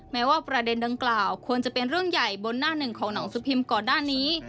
แม้ว่าประเด็นดังกล่าวควรจะเป็นเรื่องใหญ่บนหน้าหนึ่งของหนังสือพิมพ์ก่อนหน้านี้